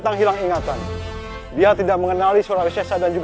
aku ingin mencari peluang